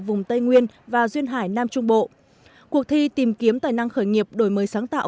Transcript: vùng tây nguyên và duyên hải nam trung bộ cuộc thi tìm kiếm tài năng khởi nghiệp đổi mới sáng tạo